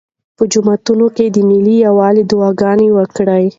په جوماتونو کې د ملي یووالي دعاګانې وکړئ.